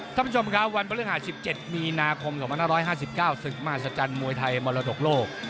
ท่านผู้ชมครับวันบริหาร๑๗มีนาคม๒๕๕๙ศึกมหัศจรรย์มวยไทยมรดกโลก